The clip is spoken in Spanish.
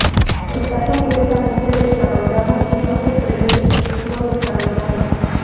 Está completamente desarrollado y no se preve su futuro desarrollo.